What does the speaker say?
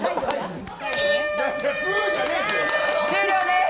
終了です。